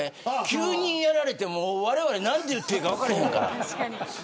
急にやられてもわれわれ何と言っていいか分からへんから。